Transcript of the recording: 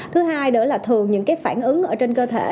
thứ hai nữa là thường những cái phản ứng ở trên cơ thể